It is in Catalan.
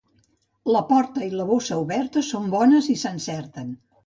La porta i la bossa oberta són bones si s'encerten.